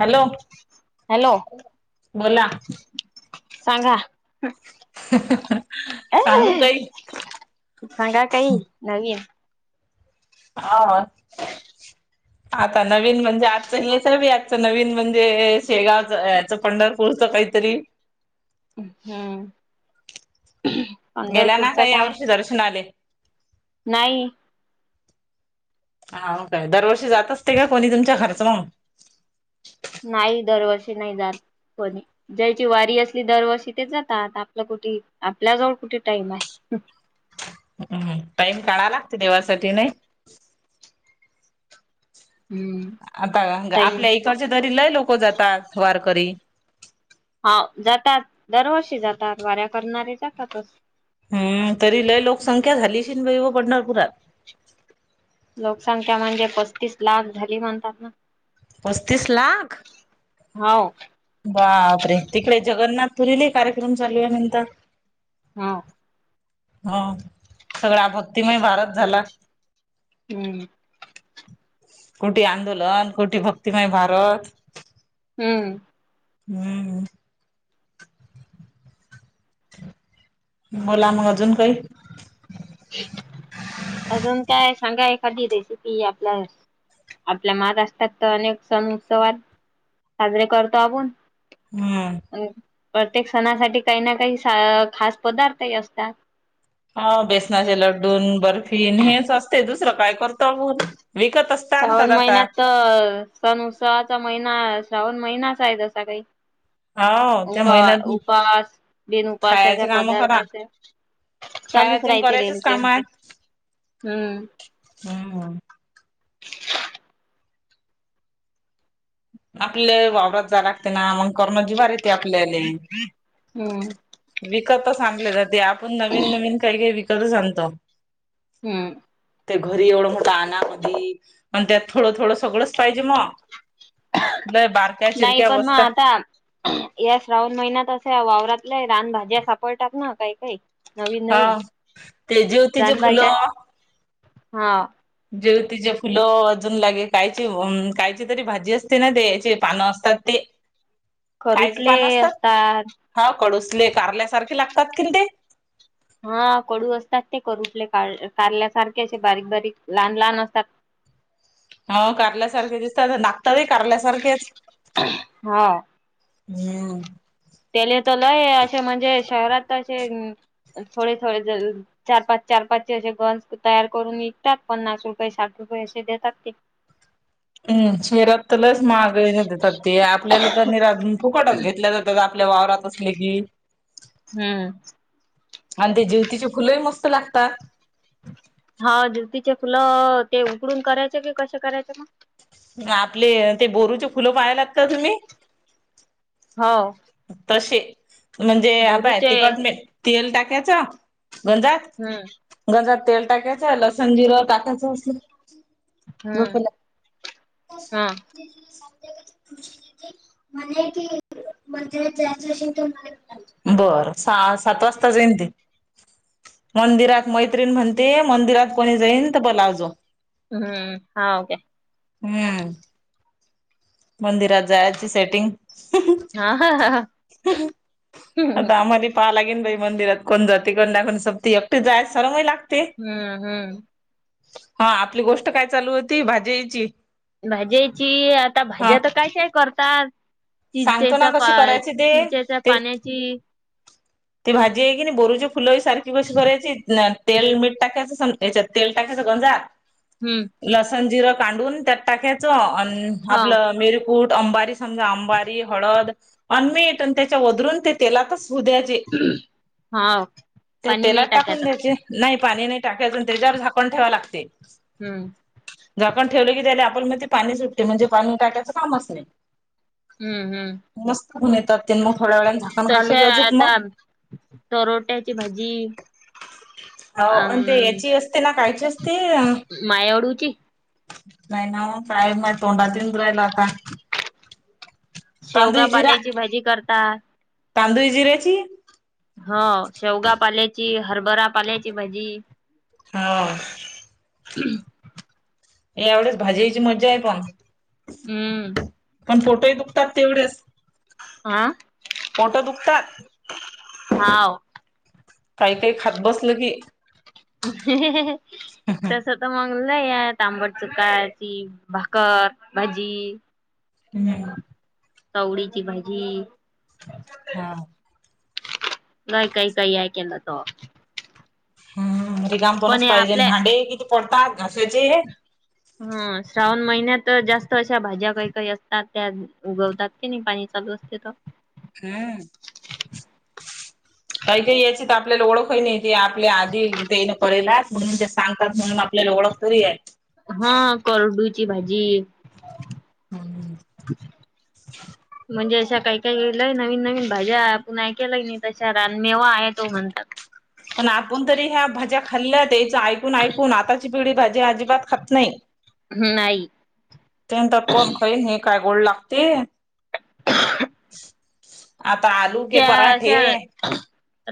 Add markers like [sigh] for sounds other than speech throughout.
Hello hello बोला. सांगा. सांगू काही. सांगा काही नवीन. हा. आता नवीन म्हणजे, आजच हे सी आजचं नवीन म्हणजे शेगावचं अं. पंढरपूरच काहीतरी. हम. गेल्या ना काही या वर्षी दर्शनाले. नाही. हाव काय दरवर्षी जात असते का, कोणी तुमच्या घरचं मग. नाही दरवर्षी नाही जातं. कोणी ज्यायची वारी असली दरवर्षी तेच जातात. आता आपलं कुठे आपल्याजवळ कुठे टाइम आहे. हम टाईम काढा लागते देवासाठी नयी. हम्म आता टाईम आपल्या इकडचे तरी, लई लोकं जातात वारकरी. हो जातात दरवर्षी जातात. वाऱ्या करणारे जातातच. हम्म तरी लय लोकसंख्या झाली. असेन बाई पंढरपूरात. लोकसंख्या म्हणजे पस्तीस लाख झाली म्हणतात ना. पस्तीस लाख. हो. बापरे तिकडे जगन्नाथपुरीले कार्यक्रम चालू ये म्हणतात. हां. हा सगळा भक्तीमय भारत झाला. हं. कुठे आंदोलन कुठे भक्तिमय भारत. हम्म. हम्म. बोला मग, अजून काही. अजून काय सांगा. एखादी रेसिपी आपल्या, आपल्या महाराष्ट्रात तर अनेक सण उत्सवात. साजरे करतो आपुण. हम्म. प्रत्येक सणासाठी काही ना, काही खास पदार्थही असतात. हा बेसनाचे लडू बर्फी न हेच असते, दुसरं काय करताव आपुन विकत असतं. श्रावण महिन्यात तर सण उत्सवाचा, महिना श्रावण महिनाच आहे जसा काही. हो त्या महिन्यात उपास बिनउपासाच्या खायचे काम करा पदार्थाचे. चालूच खायचे रायते करायचेच रेलचे, काम हम्म हं. आपल्या वावरात जा लागते ना मग करन जीवार येते आपल्याले. हम्म विकतच आनले जाते, आपुण नवीन नवीन काहीकाही विकतच आणतो. हम्म. ते घरी एवढं मोठ आनामधि म्हणत्यात थोडं थोडं सगळच पाहिजे मग. लय बारक्या नाही चिरक्या पण महं वस्ता आता. या श्रावण महिन्यात असा वावरातल्या रानभज्या सापडतात ना काही काही. नवीन नवीन, हा ते जेवतीचे रानभाज्या फुलं हा. जेवतीचे फुलं अजून लागे कायची कायची तरी भाजी असते ना ते याचे पानं असतात. ते. कायजे पान असतात हा कडुसले कारल्यासारखे लागतात कि ते? हा कडू असतात ते करूठले का काढल्यासारखे असे बारीक बारीक लहान लहान असतात. [inaudible] हो करल्यासारखे दिसतात, लागतात ही. करल्यासारखेच हा हम्म त्याले तर लय असे म्हणजे शहरात असे थोडे थोडे ज चार पाच चार पाचचे असे गनस तयार करून विकतात पन्नास रुपये साठ रुपये असे देतात ते. [inaudible] शहरात तर लच महागाईन देतात ते आपल्याला तर नाही रात फुकटच घेतल्या जात इथं आपल्या वावरात असले की. हम्म. आणि ते जेवतीची फुलंही मस्त लागतात. हा जीवतीचे फुलं, ते उकडून करायचे कि कसे करायचं मग? आपले ते बोरूचे फुलं पाहलात तुम्ही? हो. तसे म्हणजे हाबाय बोरूचे तिकट ले तेल टाकायचं गंजात. हम्म. गंजात तेल टाकायचं लसन जिरं टाकायचं असल हम्म झोपेला. सज हा खुशीे म्हनाकी. बर सहा सात वाजता जाईन ते. मंदिरात मैत्रीण म्हणते मंदिरात कोणी जाईन तर बोलाव जो. हम्म हाव काय? हम्म. मंदिरात जायची सेटिंग. अ हा हा. आता आ माले पाहला घेऊन बाई मंदिरात कोण जातंय गंधा घालून सक्ती एकटी जायला चरमही लागते. हम्म हम्म. हा आपली गोष्ट काय चालू होती भाजीची. भाजीची आता हा भाज्या तर कशाही करतात. सांगतो ना चिंचेचा पा कशी करायची ते चिंचेच्या ते पाण्याची. ती भाजी आहेय की नाही बोरूचे फुलं सारखी बशीत भरायची टेल मी टाकायचं संप याच्यात तेल टाकायचं गोंजा. हम. लसण जिरं काढून त्यात टाकायचं आणि हा आपलं मिरकूट अंबारी समजा अंब अबा आंबे हळद आणि मीठ आणि त्याच्या बदलून ते तेलातच होऊ द्या य हा ते ते पाणी तिला नाही टाकून टाकायचं द्यायचे. नाही पाणी नाही टाकायचं पण त्याच्यावर झाकण ठेवावे लागते. हम. झाकण ठेवलं की त्याला आपण मन ते पाणी सुटते म्हणजे पाणी टाकायचं कामच नाही. हुम हुम. मस्त मिळतात ते मग थोड्या वेळाने झाकण काढलं तशा की अजून मग आता तरोट्याची भाजी अम हाऊ ती याची असते काय ची असते मायाडूची नायना ओ ताई माया तोंडात येऊन राहिलं आता. शेवगा पाल्याची भाजी करता तांदुळी जिऱ्याची? हा शेवगा पाल्याची हरभरा पाल्याची भाजी हौ. उहु [unintelligible] एवढ्याच भाजीची मज्जा आहे पण. हम्म पण पोटही दुखतात तेवढच. हा [unintelligible] पोट दुखतात हाव. काही काही खात बसलं की ह ह ह ह तर [unintelligible] तस मग लई ये आंबट चुका ती भाकर भाजी हुम. चवडीची भाजी. हा. नाही काही काही ऐकायला येणार तेव्हा [unintelligible] हुम ते काम पण कोणच हे पाहिजे आपल्या भांडे किती पोटात घासायचे मुम सावन महिन्यात जास्त अशा भाज्या काय काय येतात त्या उगवतात. तीनही पाणी चालू असतंय का? हुम. काही काही याचीत आपल्याला ओळखही नाही ते आपल्या आधी ते करेलाच म्हणून ते सांगतात म्हणून आप आपल्याला ओळख तरी ये. हा कज्रडूची भाजी हम् [unintelligible] अच [unintelligible] [unintelligible] म्हणजे अशा काय काय लय नवीन नवीन भाज्या तुम्ही ऐकण्यात नाही अशा गावरान मेवा आहे हो म्हणतात पण आपण तरी या भाज्या खाल्ल्या आहेत याचं ऐकून ऐकून आताची पिढी अजिबात भाज्या खात नाय. नाही त्यांचा कोण खाईन आई [unintelligible] काय गोड लागते? आता आलू के पराठे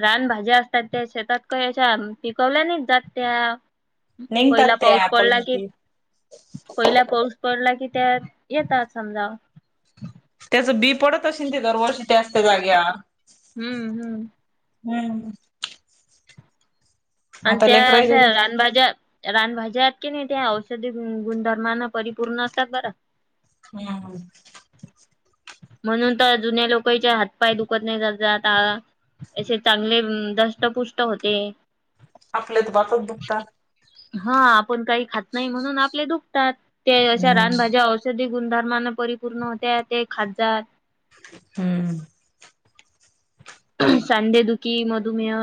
रानभज्या असतात त्या शेतात का याच्या पिकवल्या नाही जात त्या निघतात पहिला ते पाऊस ऍपल पडला की मध्ये पहिला पाऊस पडला की त्या येतात समजा. त्याचं बी पडत अशीन दरवर्षी त्याच त्या जाग्यावर हम्म हम्म हम्म. आणि आता त्या लेकरायले अशा रान भाज्या रानभाज्या आहेत की नाही ते औषधी गुणधर्माना परिपूर्ण असतात बरं. हम्म हम. म्हणून तर जुन्या लोकांचे हातपाय दुखत नाही जातात. असे चांगले दष्टपुष्ट होते. आपल्यात बापच दुखतात. हा आपण काही खात नाही म्हणून आपले दुखतात. ते अशा हम्म रानभाज्या वर गुणधर्मान परिपूर्ण होत्या ते खात जा. हम्म. सांधेदुखी मधुमेह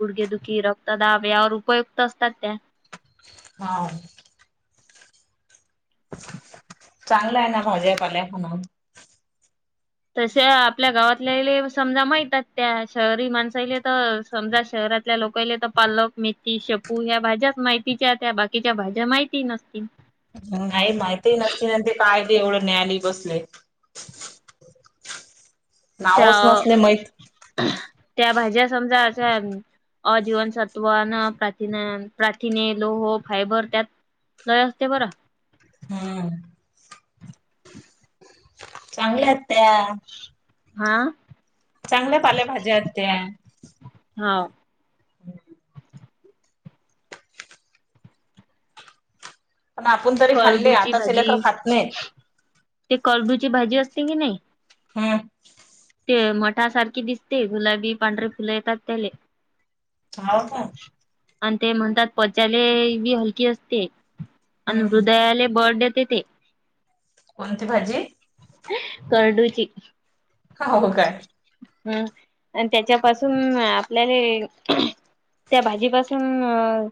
गुडघेदुखी रक्तदाब यावर उपयुक्त असतात त्या. हा. चांगलं आहे ना भाज्या पाल्या खाण. तसे आपल्या गावातल्याले समजा माहित आहेत त्या शहरी माणसाले तर समजा शहरात आपल्या लोकले तर पालक मेथी शेपू या्या भाज्याच माहितीच्या त्या् बाकीच्या भाज्या माहिती नसतील. ह नाहीई माहिती न असतन ते काय ते एवढं न्यायालय बसलेय. त्या त्या भाज्या समजा अजीवनसत्वन प्रथिना प्रार्थिने लोह फायबर त्यात लय असते बरं. हम्म. चांगले आहेत त्या. हा. चांगल्या पालेभाज्या आहेत त्या. हा. पण आपण तरी खाल्ले करडूची आताचे लेकर भाजी. खात नाहीत. ते करडूची भाजी असते की नाही हम. ते मठासारखी दिसते गुलाबी पांढरे फुले येतात त्याले. हा का? आणि ते म्हणतात पच्याले बी हलकी असते आणि हम्म हृदयाले बळ देते ते. कोणती भाजी? करडूची हो हो काय हम् आणि त्याच्यापासून आपल्याला त्या भाजीपासून अ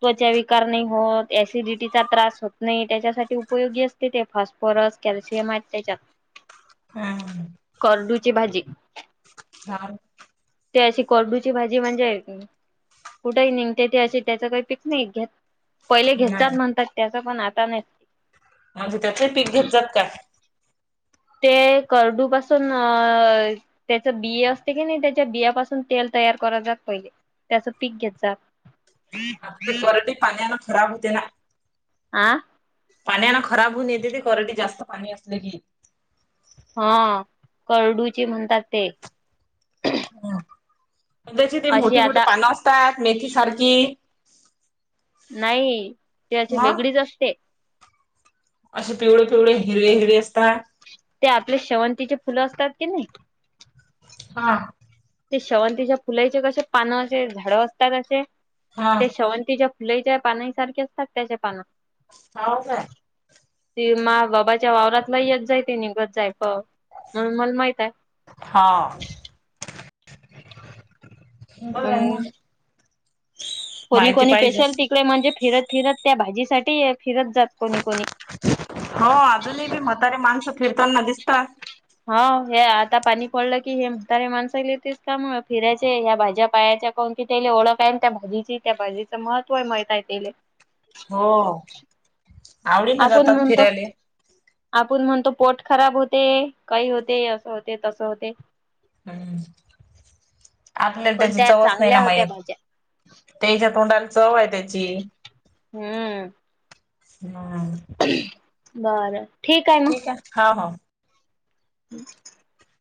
त्वचा विकार नाही होत ऍसिडिटीचा त्रास होत नाही त्याच्यासाठी उपयोगी अस ते फॉस्फोरस कॅल्शियम त्याच्यात हम्म हम्म. करडूची भाजी. [inaudible] ते अशी कोरडूची भाजी म्हणजे कुठेही निघते ते अशी त्याच काही पीक नाही घ्या पहिले घेत नाही जात म्हणतात त्याचं पण आता नाही म्हणजे त्याचेही पीक घेत जात का? ते कर्डू पसून अ त्याच बी असते की नाही त्याच्या बियापासून तेल तयार कर जात पहिले. त्याचं पीक घेत जा आ ते करडई पाण्यान खराब होते ना आं पाण्यानं खराब होऊन येते ते करडी जास्त पाणी आसल की हा करडूईचे म्हणतात ते हा त्याची ते अशी मोठी मोठी आता पानं असतात मेथी सारखी नाही त्याची मग वेगळीच असते असे पिवळे पिवळे हिरवे हिरवे असता ते आपले शेवंतीचे फुलं असतात की नाही हा ते शेवंतीच्या फुलाईचे कसे पानं असे झाडं असतात असे हा त्या शेवंतीच्या फुलेईच्या पानासारखे असतात त्याच्या पानं हाऊ काय ते मा बाबाच्या वावरातला येत जाय ते निघत जाय प अं मले माहित आहे. हा बरं आहे ना अ कोणी कोणी स्पेशल तिकडे म्हणजे फिरत फिरत त्या भाजी साठी फिरत जात कोणी कोणी हो अजूनही बि म्हातारी माणसं फिरताना दिसता हो हे आता पाणी पडलं की हे म्हातारे माणसांले तेच काम फिरायचे ह्या भाज्या पाह्याच्या कोणती तेले ओळख आहे आणि त्या भाजीची त्या भाजीचं महत्व आहे माहितय तेले हो आवडीन आपुन जातात म्हणतो फिरायले आपुन म्हणतो पोट खराब होते काही होते असं होते तसं होते हम् आपल्याला पण त्याची त्या चवच नाही ना चांगल्या होत्या माहीत भाज्या तेच्या तोंडाला चव आहे त्याची हम्म [unintelligible] बरं ठीक आहे हा हा [inaudible]